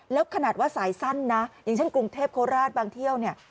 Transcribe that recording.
แล้วขนาดว่าสายสั้นนะอย่างเช่นกรุงเทพโคราชบางเที่ยวเนี่ย